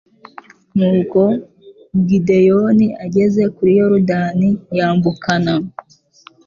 nuko gideyoni ageze kuri yorodani yambukana